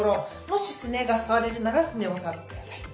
もしすねが触れるならすねを触って下さい。